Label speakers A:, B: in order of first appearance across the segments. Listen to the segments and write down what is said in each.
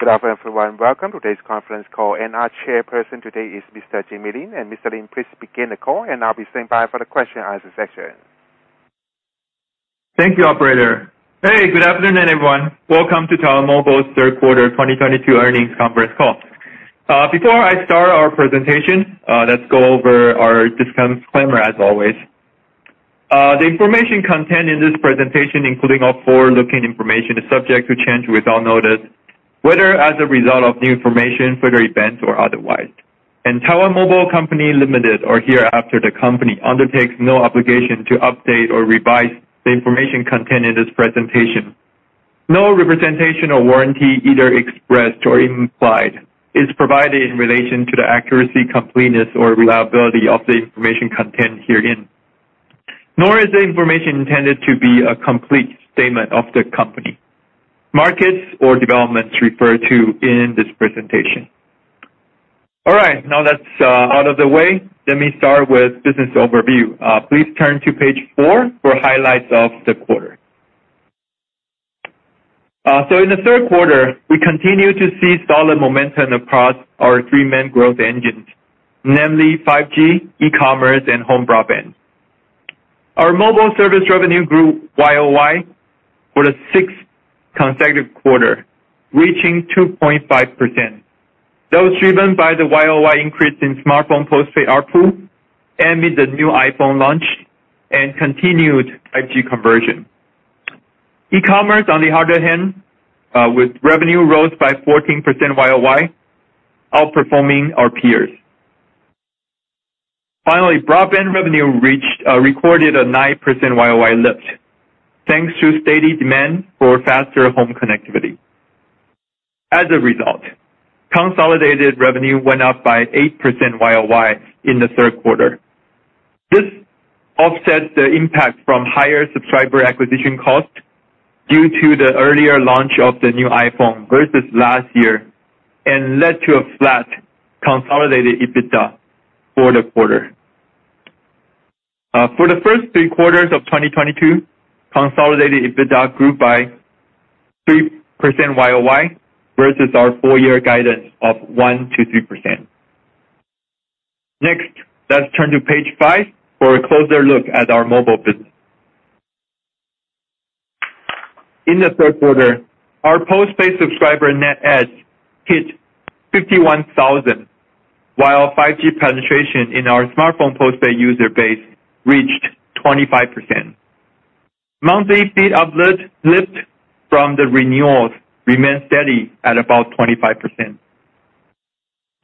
A: Good afternoon, everyone. Welcome to today's conference call, and our chairperson today is Mr. Jamie Lin. Mr. Lin, please begin the call, and I'll be standing by for the Q&A session.
B: Thank you, operator. Hey, good afternoon, everyone. Welcome to Taiwan Mobile's third quarter 2022 earnings conference call. Before I start our presentation, let's go over our disclaimer as always. The information contained in this presentation, including all forward-looking information, is subject to change without notice, whether as a result of new information, further events, or otherwise. Taiwan Mobile Company Limited, or hereafter the company, undertakes no obligation to update or revise the information contained in this presentation. No representation or warranty, either expressed or implied, is provided in relation to the accuracy, completeness or reliability of the information contained herein. Nor is the information intended to be a complete statement of the company, markets or developments referred to in this presentation. All right, now that's out of the way, let me start with business overview. Please turn to page four for highlights of the quarter. In the third quarter, we continued to see solid momentum across our three main growth engines, namely 5G, e-commerce and home broadband. Our mobile service revenue grew year-over-year for the sixth consecutive quarter, reaching 2.5%. That was driven by the year-over-year increase in smartphone post-paid ARPU amid the new iPhone launch and continued 5G conversion. E-commerce, on the other hand, revenue rose by 14% year-over-year, outperforming our peers. Finally, broadband revenue recorded a 9% year-over-year lift thanks to steady demand for faster home connectivity. As a result, consolidated revenue went up by 8% year-over-year in the third quarter. This offsets the impact from higher subscriber acquisition costs due to the earlier launch of the new iPhone versus last year, and led to a flat consolidated EBITDA for the quarter. For the first three quarters of 2022, consolidated EBITDA grew by 3% YoY versus our full year guidance of 1%-3%. Next, let's turn to page five for a closer look at our mobile business. In the third quarter, our post-paid subscriber net adds hit 51,000, while 5G penetration in our smartphone post-paid user base reached 25%. Monthly ARPU lift from the renewals remained steady at about 25%.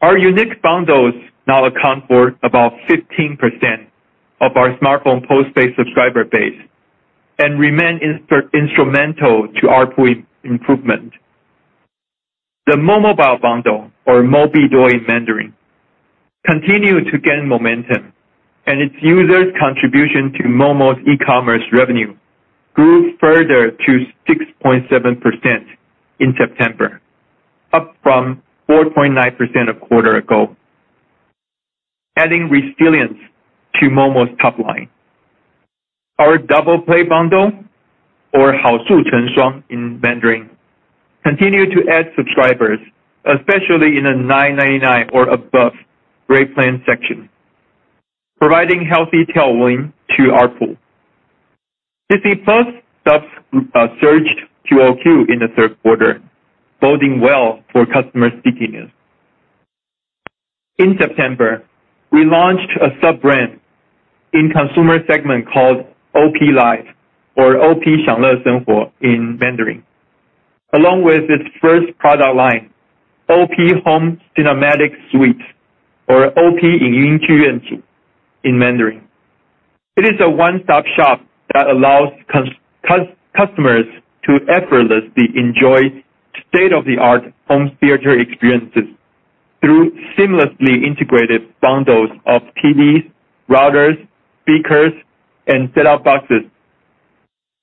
B: Our unique bundles now account for about 15% of our smartphone post-paid subscriber base and remain instrumental to ARPU improvement. The momobile bundle or mo幣多 in Mandarin continue to gain momentum, and its users contribution to Momo's e-commerce revenue grew further to 6.7% in September, up from 4.9% a quarter ago, adding resilience to Momo's top line. Our Double Play bundle or Hao Shu Cheng Shuang in Mandarin continue to add subscribers, especially in the 999 or above rate plan section, providing healthy tailwind to ARPU. Disney+ subs surged QoQ in the third quarter, boding well for customer stickiness. In September, we launched a sub-brand in consumer segment called OP Life or OP Xiang Le Sheng Huo in Mandarin. Along with its first product line, OP Home Cinematic Suite or OP Yin Ying Ju Yuan Chu in Mandarin. It is a one-stop shop that allows customers to effortlessly enjoy state-of-the-art home theater experiences through seamlessly integrated bundles of TVs, routers, speakers and set-top boxes.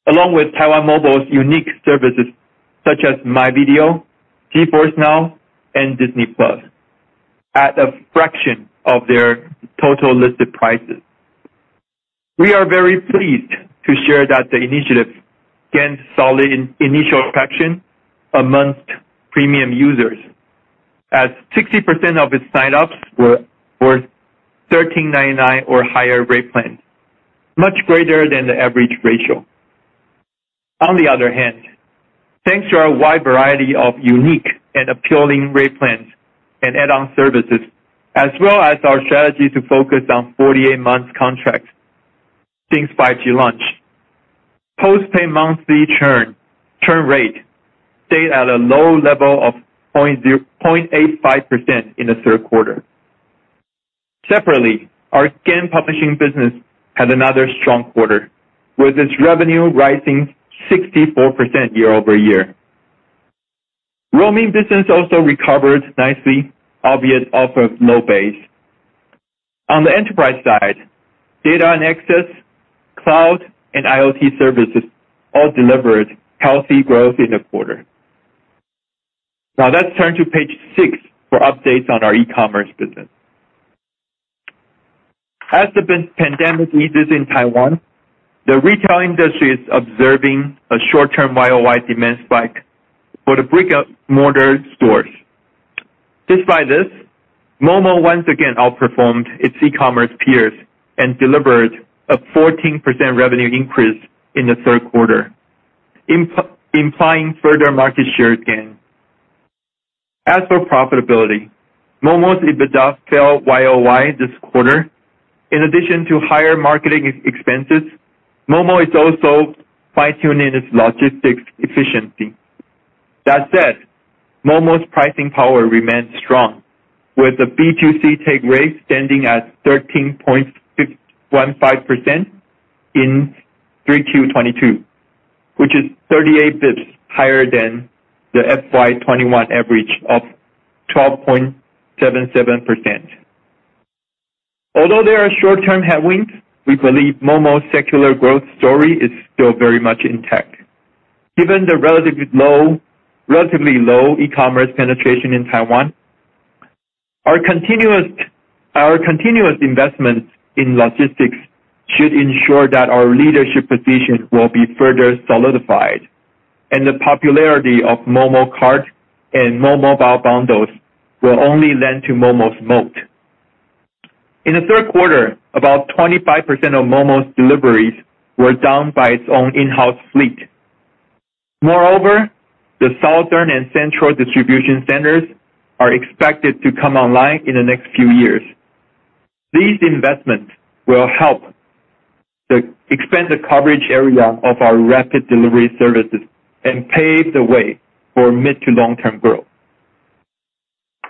B: Along with Taiwan Mobile's unique services such as MyVideo, GeForce NOW and Disney+ at a fraction of their total listed prices. We are very pleased to share that the initiative gained solid initial traction among premium users as 60% of its sign-ups were 1,399 or higher rate plan, much greater than the average ratio. On the other hand, thanks to our wide variety of unique and appealing rate plans and add-on services, as well as our strategy to focus on 48 months contracts since 5G launch, post-paid monthly churn rate stayed at a low level of 0.85% in the third quarter. Separately, our game publishing business had another strong quarter, with its revenue rising 64% year-over-year. Roaming business also recovered nicely, albeit off a low base. On the enterprise side, data and access, cloud and IoT services all delivered healthy growth in the quarter. Now let's turn to page six for updates on our e-commerce business. As the pandemic eases in Taiwan, the retail industry is observing a short-term YoY demand spike for the brick-and-mortar stores. Despite this, Momo once again outperformed its e-commerce peers and delivered a 14% revenue increase in the third quarter, implying further market share gain. As for profitability, Momo's EBITDA fell YoY this quarter. In addition to higher marketing expenses, Momo is also fine-tuning its logistics efficiency. That said, Momo's pricing power remains strong, with the B2C take rate standing at 13.15% in 3Q 2022, which is 38 basis points higher than the FY 2021 average of 12.77%. Although there are short-term headwinds, we believe Momo's secular growth story is still very much intact. Given the relatively low e-commerce penetration in Taiwan, our continuous investments in logistics should ensure that our leadership position will be further solidified, and the popularity of Momo cart and momobile bundles will only lend to Momo's moat. In the third quarter, about 25% of Momo's deliveries were done by its own in-house fleet. Moreover, the southern and central distribution centers are expected to come online in the next few years. These investments will help expand the coverage area of our rapid delivery services and pave the way for mid to long-term growth.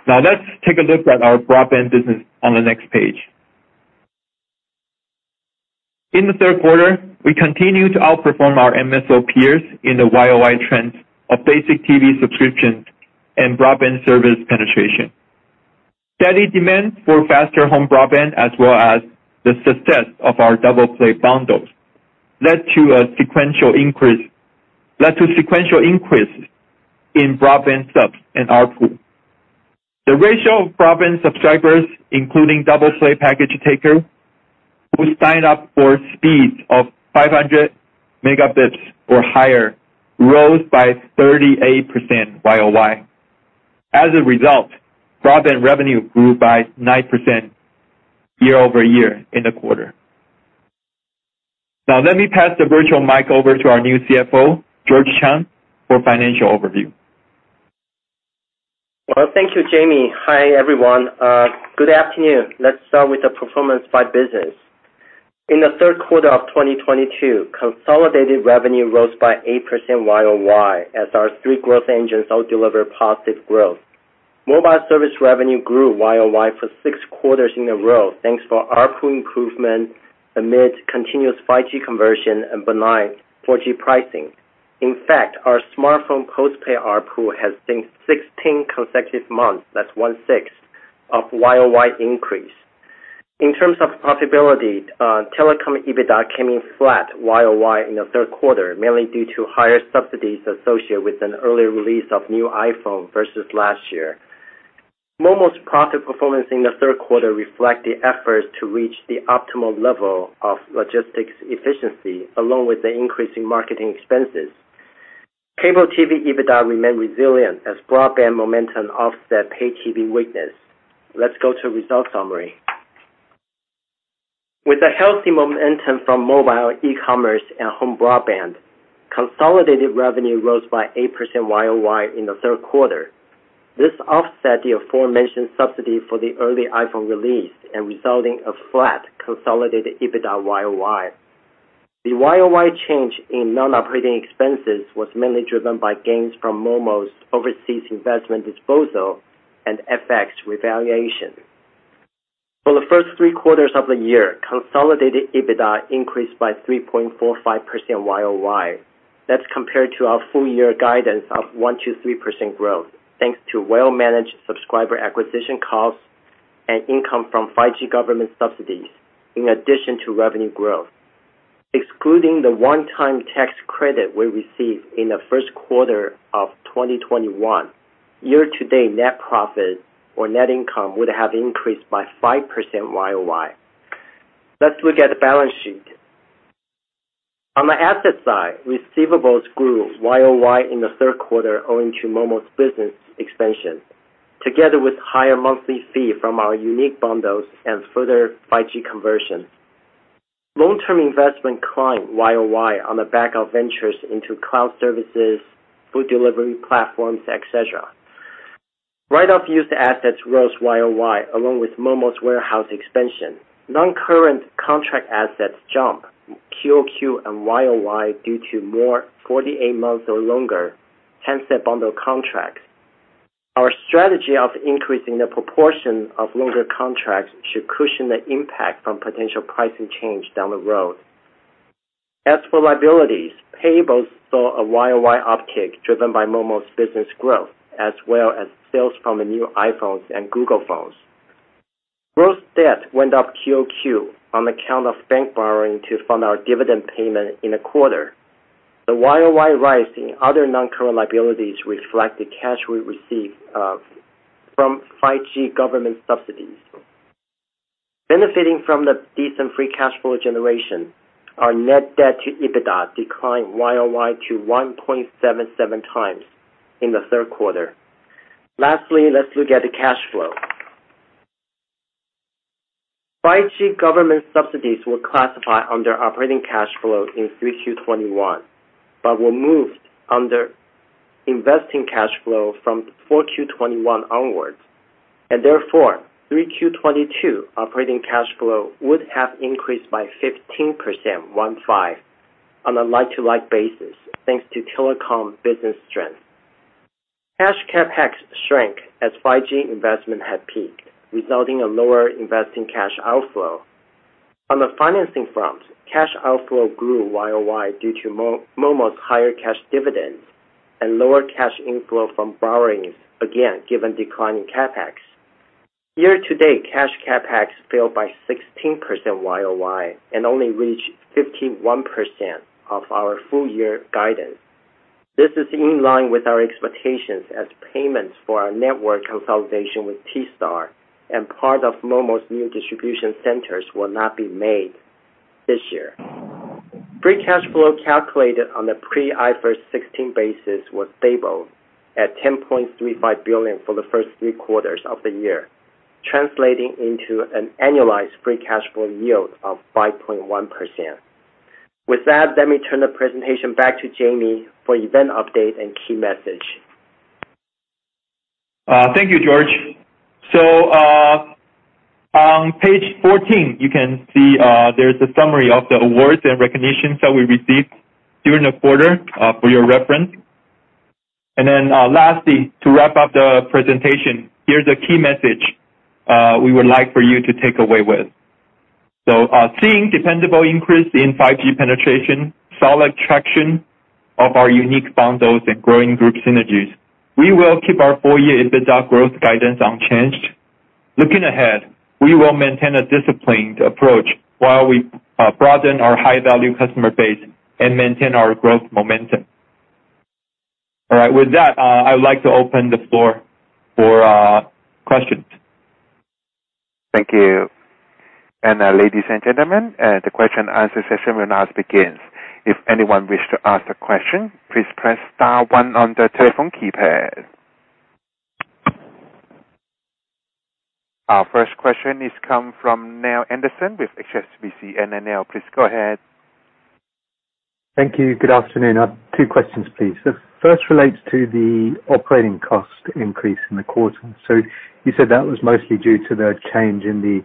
B: Now let's take a look at our broadband business on the next page. In the third quarter, we continue to outperform our MSO peers in the YoY trends of basic TV subscriptions and broadband service penetration. Steady demand for faster home broadband, as well as the success of our Double Play bundles, led to sequential increases in broadband subs and ARPU. The ratio of broadband subscribers, including Double Play package takers, who signed up for speeds of 500 Mbps or higher, rose by 38% YoY. As a result, broadband revenue grew by 9% year over year in the quarter. Now let me pass the virtual mic over to our new CFO, George Chang, for financial overview.
C: Well, thank you, Jamie. Hi, everyone. Good afternoon. Let's start with the performance by business. In the third quarter of 2022, consolidated revenue rose by 8% YoY as our three growth engines all delivered positive growth. Mobile service revenue grew YoY for six quarters in a row, thanks to ARPU improvement amid continuous 5G conversion and benign 4G pricing. In fact, our smartphone post-pay ARPU has seen 16 consecutive months, that's 16% YoY increase. In terms of profitability, telecom EBITDA came in flat YoY in the third quarter, mainly due to higher subsidies associated with an early release of new iPhone versus last year. Momo's profit performance in the third quarter reflect the efforts to reach the optimal level of logistics efficiency along with the increasing marketing expenses. Cable TV EBITDA remained resilient as broadband momentum offset pay TV weakness. Let's go to results summary. With the healthy momentum from mobile e-commerce and home broadband, consolidated revenue rose by 8% YoY in the third quarter. This offset the aforementioned subsidy for the early iPhone release and resulting in a flat consolidated EBITDA YoY. The YoY change in non-operating expenses was mainly driven by gains from Momo's overseas investment disposal and FX revaluation. For the first three quarters of the year, consolidated EBITDA increased by 3.45% YoY. That's compared to our full year guidance of 1%-3% growth, thanks to well-managed subscriber acquisition costs and income from 5G government subsidies in addition to revenue growth. Excluding the one-time tax credit we received in the first quarter of 2021, year-to-date net profit or net income would have increased by 5% YoY. Let's look at the balance sheet. On the asset side, receivables grew YoY in the third quarter owing to Momo's business expansion, together with higher monthly fee from our unique bundles and further 5G conversion. Long-term investment climbed YoY on the back of ventures into cloud services, food delivery platforms, et cetera. Written-off used assets rose YoY along with Momo's warehouse expansion. Non-current contract assets jumped QoQ and YoY due to more 48 months or longer handset bundle contracts. Our strategy of increasing the proportion of longer contracts should cushion the impact from potential pricing change down the road. As for liabilities, payables saw a YoY uptick driven by Momo's business growth, as well as sales from the new iPhones and Google phones. Gross debt went up QoQ on account of bank borrowing to fund our dividend payment in the quarter. The YoY rise in other non-current liabilities reflect the cash we receive from 5G government subsidies. Benefiting from the decent free cash flow generation, our net debt to EBITDA declined YoY to 1.77x in the third quarter. Lastly, let's look at the cash flow. 5G government subsidies were classified under operating cash flow in 3Q 2021, but were moved under investing cash flow from 4Q 2021 onwards. Therefore, 3Q 2022 operating cash flow would have increased by 15% on a like-to-like basis thanks to telecom business strength. Cash CapEx shrank as 5G investment had peaked, resulting in lower investing cash outflow. On the financing front, cash outflow grew YoY due to Momo's higher cash dividends and lower cash inflow from borrowings, again, given declining CapEx. Year-to-date cash CapEx fell by 16% YoY and only reached 51% of our full year guidance. This is in line with our expectations as payments for our network consolidation with Taiwan Star and part of Momo's new distribution centers will not be made this year. Free cash flow calculated on the pre IFRS 16 basis was stable at 10.35 billion for the first three quarters of the year, translating into an annualized free cash flow yield of 5.1%. With that, let me turn the presentation back to Jamie for event update and key message.
B: Thank you, George. On page 14, you can see there's a summary of the awards and recognitions that we received during the quarter for your reference. Lastly, to wrap up the presentation, here's a key message we would like for you to take away with. Seeing dependable increase in 5G penetration, solid traction of our unique bundles and growing group synergies. We will keep our full year EBITDA growth guidance unchanged. Looking ahead, we will maintain a disciplined approach while we broaden our high-value customer base and maintain our growth momentum. All right. With that, I would like to open the floor for questions.
A: Thank you. Ladies and gentlemen, the question and answer session will now begin. If anyone wishes to ask a question, please press star one on the telephone keypad. Our first question comes from Neale Anderson with HSBC. Neale, please go ahead.
D: Thank you. Good afternoon. I have two questions, please. The first relates to the operating cost increase in the quarter. You said that was mostly due to the change in the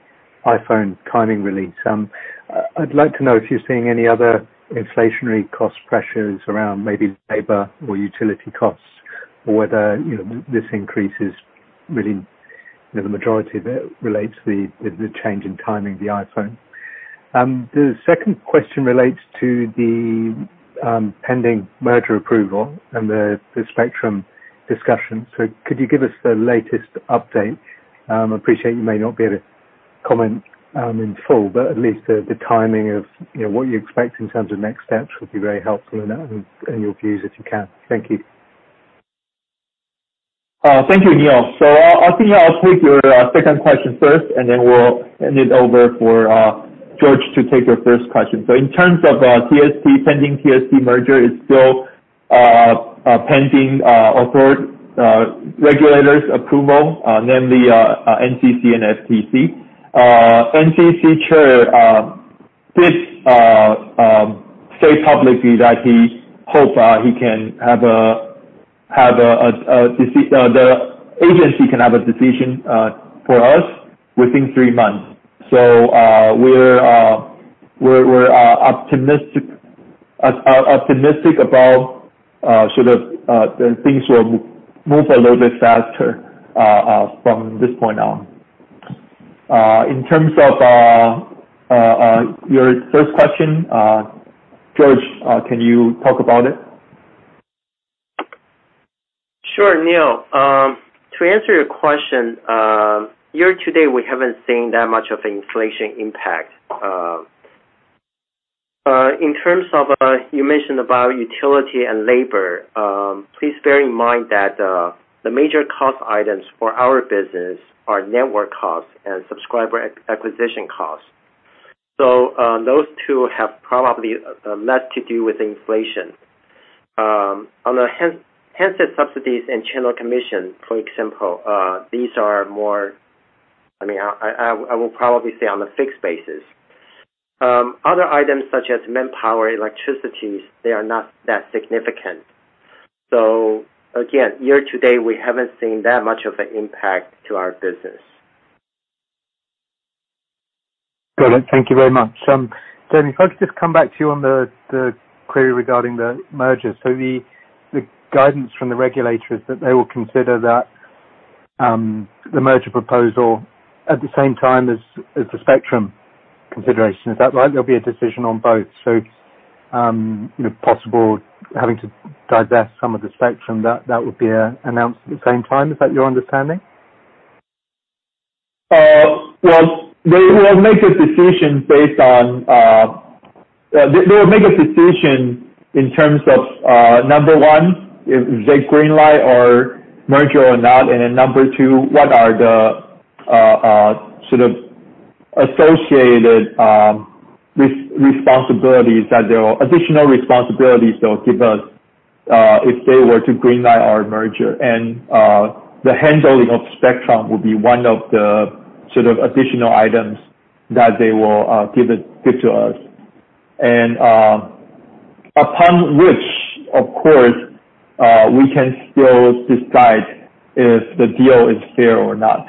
D: iPhone timing release. I'd like to know if you're seeing any other inflationary cost pressures around maybe labor or utility costs or whether, you know, this increase is really, you know, the majority of it relates to the change in timing of the iPhone. The second question relates to the pending merger approval and the spectrum discussion. Could you give us the latest update? I appreciate you may not be able to comment in full, but at least the timing of, you know, what you expect in terms of next steps would be very helpful and your views if you can. Thank you.
B: Thank you, Neale. I think I'll take your second question first, and then we'll hand it over for George to take your first question. In terms of the pending Taiwan Star merger, it is still pending regulators' approval, namely NCC and FTC. NCC chair did say publicly that he hope he can have a decision for us within three months. We're optimistic about things moving a little bit faster from this point on. In terms of your first question, George, can you talk about it?
C: Sure, Neale. To answer your question, year to date, we haven't seen that much of an inflation impact. In terms of, you mentioned about utility and labor, please bear in mind that, the major cost items for our business are network costs and subscriber acquisition costs. Those two have probably, less to do with inflation. On the handset subsidies and channel commission, for example, these are more, I mean, I will probably say on the fixed basis. Other items such as manpower, electricity, they are not that significant. Again, year to date, we haven't seen that much of an impact to our business.
D: Brilliant. Thank you very much. Jamie, if I could just come back to you on the query regarding the merger. The guidance from the regulator is that they will consider that the merger proposal at the same time as the spectrum consideration. Is that right? There'll be a decision on both. You know, possible having to divest some of the spectrum that would be announced at the same time. Is that your understanding?
B: Well, they will make a decision in terms of number one, if they green light our merger or not. Then number two, what are the sort of associated responsibilities that there are additional responsibilities they'll give us, if they were to green light our merger. The handling of spectrum will be one of the sort of additional items that they will give to us. Upon which, of course, we can still decide if the deal is fair or not.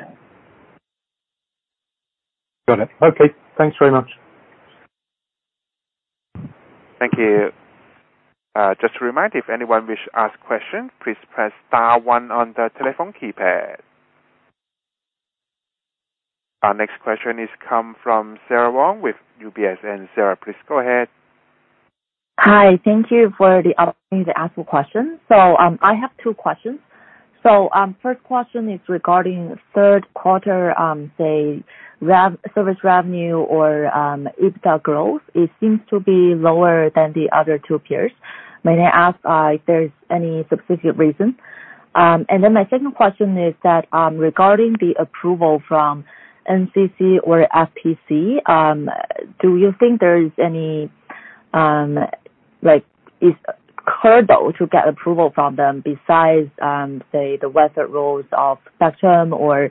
D: Got it. Okay. Thanks very much.
A: Thank you. Just a reminder, if anyone wish to ask question, please press star one on the telephone keypad. Our next question is come from Sara Wang with UBS. Sara, please go ahead.
E: Hi. Thank you for the opportunity to ask a question. I have two questions. First question is regarding third quarter, say service revenue or EBITDA growth. It seems to be lower than the other two peers. May I ask if there's any specific reason? My second question is that, regarding the approval from NCC or FTC, do you think there's any like is hurdle to get approval from them besides say the waiver rules of spectrum or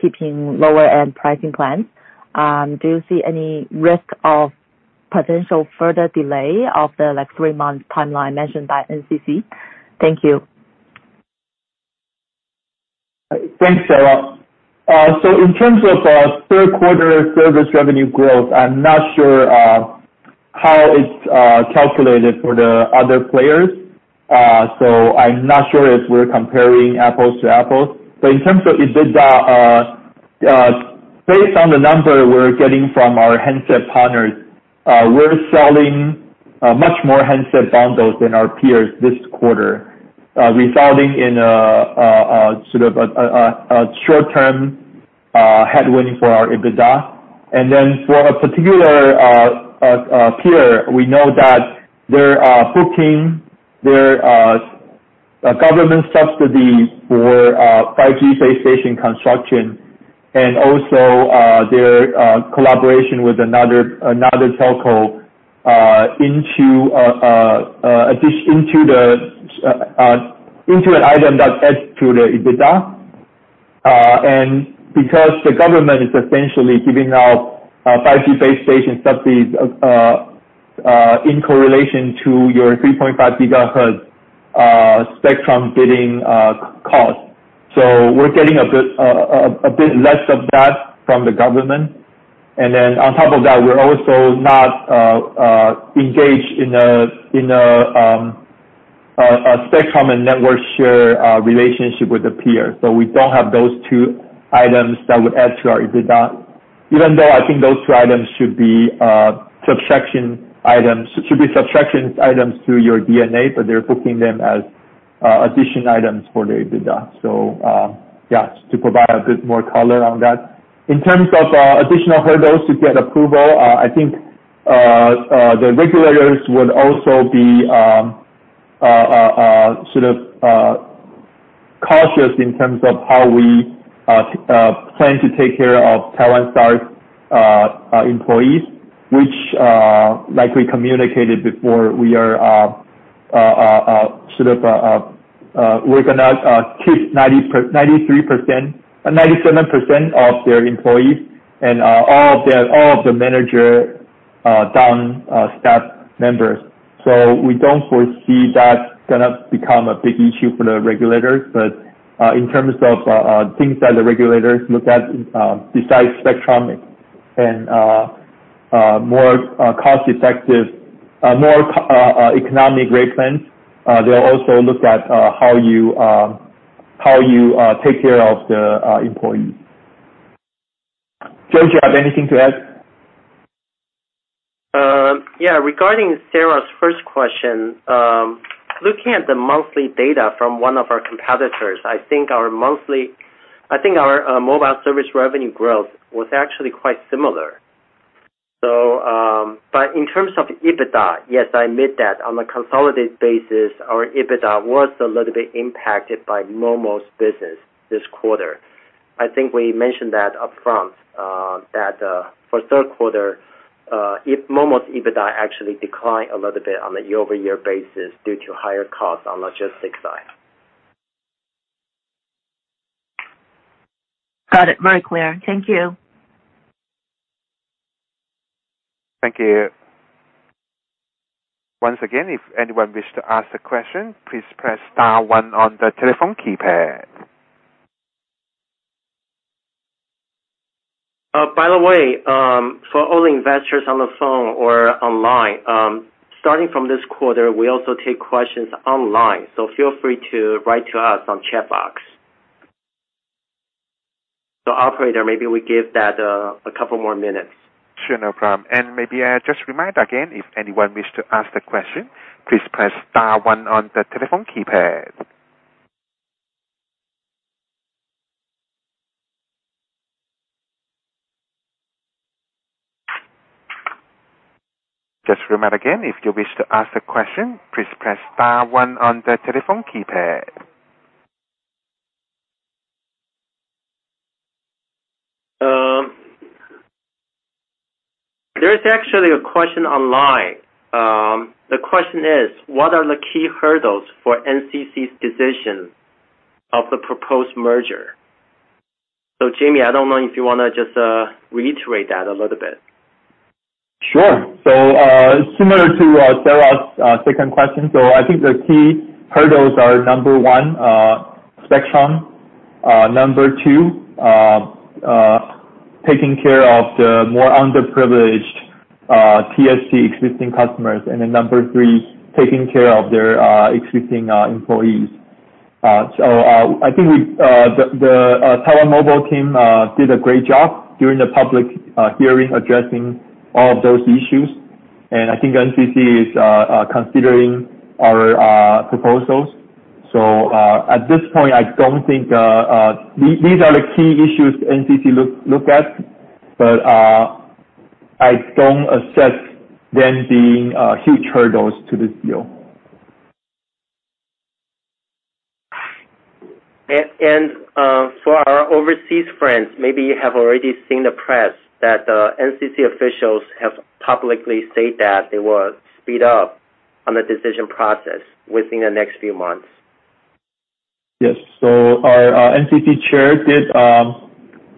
E: keeping lower end pricing plans? Do you see any risk of potential further delay of the like three-month timeline mentioned by NCC? Thank you.
B: Thanks, Sara. In terms of third quarter service revenue growth, I'm not sure how it's calculated for the other players. I'm not sure if we're comparing apples to apples. In terms of EBITDA, based on the number we're getting from our handset partners, we're selling much more handset bundles than our peers this quarter, resulting in a sort of short-term headwind for our EBITDA. For a particular peer, we know that they're booking their government subsidies for 5G base station construction and also their collaboration with another telco into an item that adds to the EBITDA. Because the government is essentially giving out 5G base station subsidies in correlation to your 3.5 GHz spectrum bidding cost. We're getting a good bit less of that from the government. On top of that, we're also not engaged in a spectrum and network share relationship with the peer. We don't have those two items that would add to our EBITDA. Even though I think those two items should be subtraction items. Should be subtraction items to your D&A, but they're booking them as addition items for the EBITDA. Just to provide a bit more color on that. In terms of additional hurdles to get approval, I think the regulators would also be sort of cautious in terms of how we plan to take care of Taiwan Star employees, which, like we communicated before, we're gonna keep 97% of their employees and all of the managers down to staff members. We don't foresee that's gonna become a big issue for the regulators. In terms of things that the regulators look at, besides spectrum and more cost-effective, more economic rate plans, they'll also look at how you take care of the employees. George, you have anything to add?
C: Yeah. Regarding Sara's first question, looking at the monthly data from one of our competitors, I think our mobile service revenue growth was actually quite similar. But in terms of EBITDA, yes, I admit that on a consolidated basis, our EBITDA was a little bit impacted by Momo's business this quarter. I think we mentioned that upfront, that for third quarter, Momo's EBITDA actually declined a little bit on a year-over-year basis due to higher costs on logistics side.
E: Got it. Very clear. Thank you.
A: Thank you. Once again, if anyone wishes to ask a question, please press star one on the telephone keypad.
C: By the way, for all investors on the phone or online, starting from this quarter, we also take questions online, so feel free to write to us on chat box. Operator, maybe we give that a couple more minutes.
A: Sure, no problem. Maybe, just remind again, if anyone wish to ask the question, please press star one on the telephone keypad. Just remind again, if you wish to ask the question, please press star one on the telephone keypad.
C: There is actually a question online. The question is, what are the key hurdles for NCC's decision of the proposed merger? Jamie, I don't know if you wanna just reiterate that a little bit.
B: Sure. Similar to Sara's second question. I think the key hurdles are number one, spectrum. Number two, taking care of the more underprivileged T Star existing customers. Then number three, taking care of their existing employees. I think we, the Taiwan Mobile team, did a great job during the public hearing, addressing all of those issues, and I think NCC is considering our proposals. At this point, I don't think these are the key issues NCC look at. I don't assess them being huge hurdles to this deal.
C: For our overseas friends, maybe you have already seen the press that NCC officials have publicly said that they will speed up on the decision process within the next few months.
B: Yes. Our NCC chair did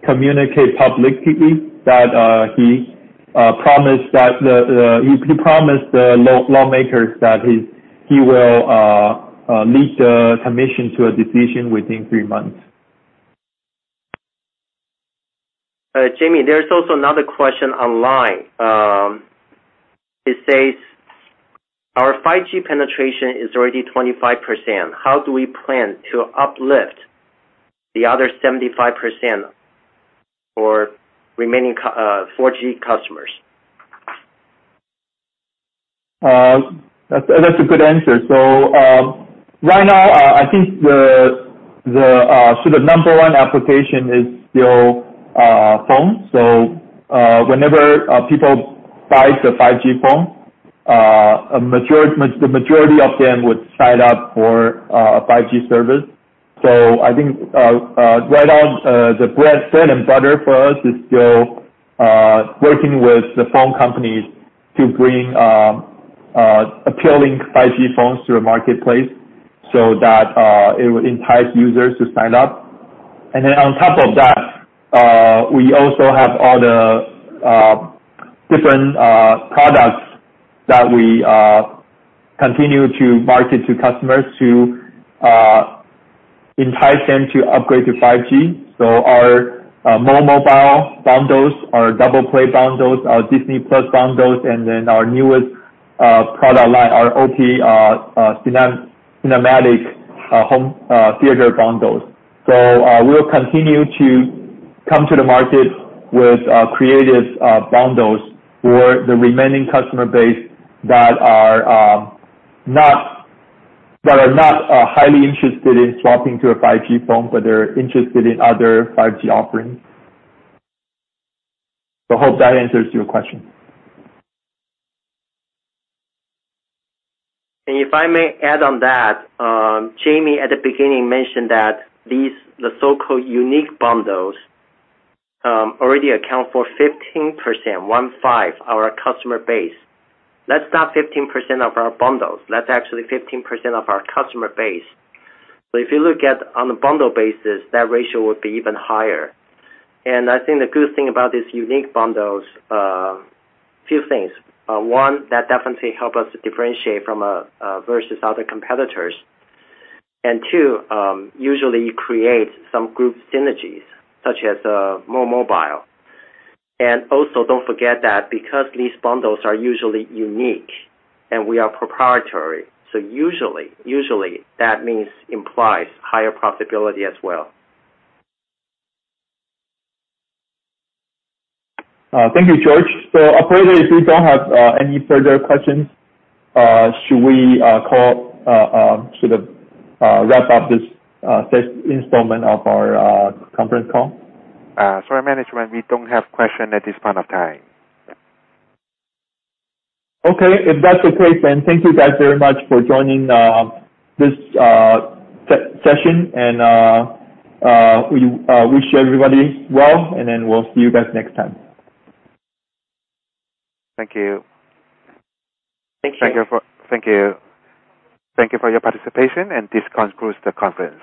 B: communicate publicly that he promised the lawmakers that he will lead the commission to a decision within three months.
C: Jamie, there's also another question online. It says, our 5G penetration is already 25%. How do we plan to uplift the other 75% for remaining 4G customers?
B: That's a good answer. Right now, I think the sort of number one application is still phone. Whenever people buy the 5G phone, the majority of them would sign up for a 5G service. I think right now, the bread and butter for us is still working with the phone companies to bring appealing 5G phones to the marketplace so that it would entice users to sign up. On top of that, we also have other different products that we continue to market to customers to entice them to upgrade to 5G. Our momobile bundles, our Double Play bundles, our Disney+ bundles, and then our newest product line, our OP Home Cinematic Suite. We'll continue to come to the market with creative bundles for the remaining customer base that are not highly interested in swapping to a 5G phone, but they're interested in other 5G offerings. I hope that answers your question.
C: If I may add on that, Jamie at the beginning mentioned that these, the so-called unique bundles, already account for 15%, one five, our customer base. That's not 15% of our bundles. That's actually 15% of our customer base. If you look at on a bundle basis, that ratio would be even higher. I think the good thing about these unique bundles, few things. One, that definitely help us to differentiate from versus other competitors. And two, usually create some group synergies such as momobile. And also, don't forget that because these bundles are usually unique and we are proprietary, so usually that means implies higher profitability as well.
B: Thank you, George. Operators, we don't have any further questions. Should we call sort of wrap up this installment of our conference call?
A: Sorry, management. We don't have question at this point of time.
B: Okay. If that's the case, then thank you guys very much for joining this session, and we wish everybody well, and then we'll see you guys next time.
A: Thank you.
C: Thank you.
A: Thank you for your participation, and this concludes the conference.